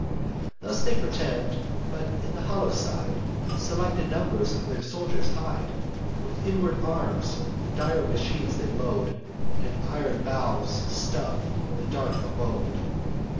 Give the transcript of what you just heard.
Thus they pretend, but in the hollow side Selected numbers of their soldiers hide: With inward arms the dire machine they load, And iron bowels stuff the dark abode.